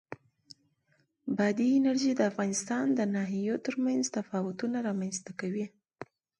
بادي انرژي د افغانستان د ناحیو ترمنځ تفاوتونه رامنځ ته کوي.